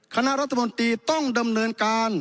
คณะรัฐมนตรีต้องดำเนินการ